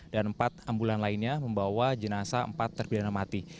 dan empat ambulan lainnya membawa jenazah empat terpidana mati